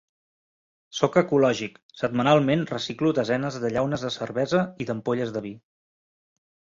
Soc ecològic, setmanalment reciclo desenes de llaunes de cervesa i d’ampolles de vi.